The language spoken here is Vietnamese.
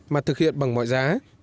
mà thực hiện bằng mọi giá